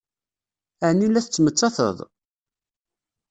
Ɛni la tettmettated?